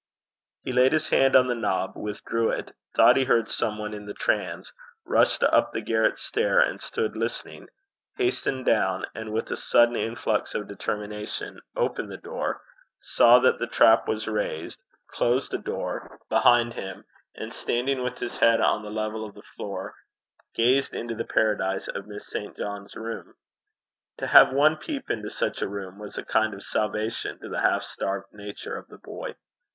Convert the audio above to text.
He laid his hand on the knob, withdrew it, thought he heard some one in the transe, rushed up the garret stair, and stood listening, hastened down, and with a sudden influx of determination opened the door, saw that the trap was raised, closed the door behind him, and standing with his head on the level of the floor, gazed into the paradise of Miss St. John's room. To have one peep into such a room was a kind of salvation to the half starved nature of the boy.